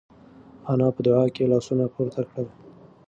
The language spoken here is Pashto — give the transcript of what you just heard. انا په دعا کې لاسونه پورته کړل.